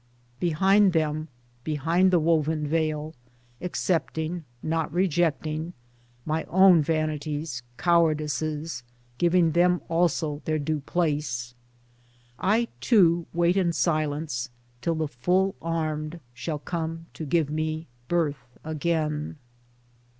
Behind them, behind the woven veil — accepting, not rejecting, my own vanities, cowardices, giving them also their due place — I too wait in silence, till the full armed shall come to give me birth again.